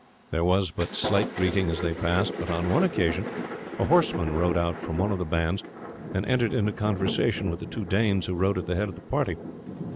There was but slight greeting as they passed; but on one occasion a horseman rode out from one of the bands and entered into conversation with the two Danes who rode at the head of the party.